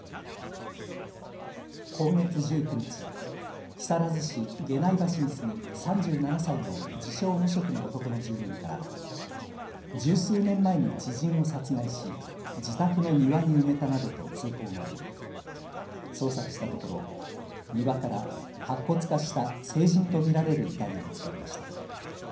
今月１９日、木更津市下内橋に住む３７歳の自称、無職の男の住人から十数年前に知人を殺害し自宅の庭に埋めたなどと通報があり捜索したところ庭から白骨化した成人と見られる遺体が見つかりました。